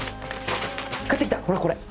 買ってきたほらこれ。